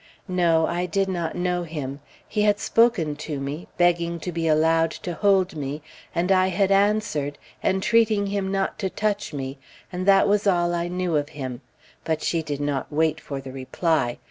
No, I did not know him. He had spoken to me, begging to be allowed to hold me, and I had answered, entreating him not to touch me, and that was all I knew of him; but she did not wait for the reply.